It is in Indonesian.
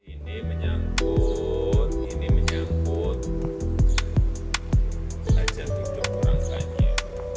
ini menyangkut ini menyangkut saja tiga orang saja